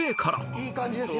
いい感じですよ。